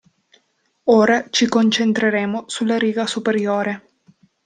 Ora ci concentreremo sulla riga superiore.